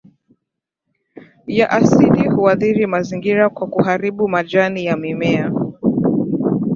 ya asidi huathiri mazingira kwa kuharibu majani ya mimea